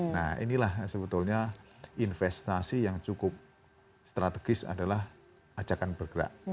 nah inilah sebetulnya investasi yang cukup strategis adalah ajakan bergerak